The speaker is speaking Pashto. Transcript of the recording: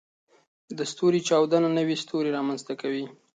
د ستوري چاودنه نوې ستوري رامنځته کوي.